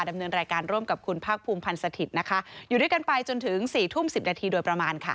ดำเนินรายการร่วมกับคุณภาคภูมิพันธ์สถิตย์นะคะอยู่ด้วยกันไปจนถึงสี่ทุ่มสิบนาทีโดยประมาณค่ะ